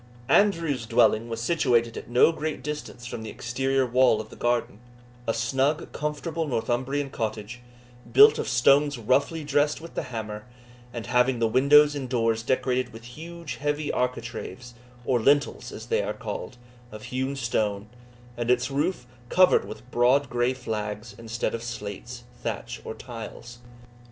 Andrew's dwelling was situated at no great distance from the exterior wall of the garden a snug comfortable Northumbrian cottage, built of stones roughly dressed with the hammer, and having the windows and doors decorated with huge heavy architraves, or lintels, as they are called, of hewn stone, and its roof covered with broad grey flags, instead of slates, thatch, or tiles.